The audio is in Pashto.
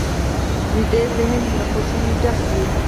ویده ذهن له خوښیو ډک وي